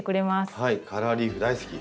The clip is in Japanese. カラーリーフ大好き！